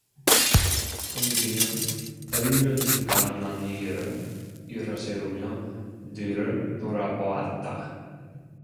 선비는 얼른 간난이를 일어세우며 뒤를 돌아보았다.